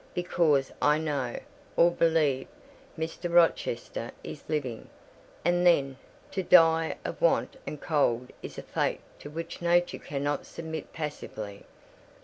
Because I know, or believe, Mr. Rochester is living: and then, to die of want and cold is a fate to which nature cannot submit passively.